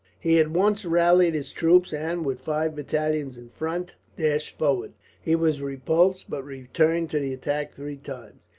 He at once rallied his troops and, with five battalions in front, dashed forward. He was repulsed, but returned to the attack three times.